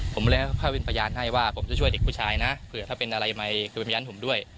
ผมเลยเข้าเป็นพยานให้ว่าผมจะช่วยเด็กผู้ชายนะเผื่อถ้าเป็นอะไรใหม่คือเป็นพยานผมด้วย